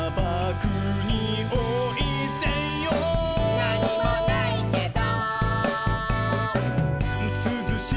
「なにもないけど」